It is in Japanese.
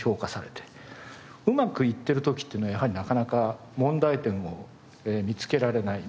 うまくいってる時っていうのはやはりなかなか問題点を見つけられない。